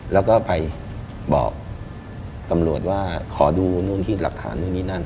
แล้วก็ไปบอกตำรวจว่าขอดูนู่นที่หลักฐานนู่นนี่นั่น